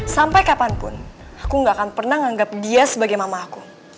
sampai kapanpun aku gak akan pernah menganggap dia sebagai mamahku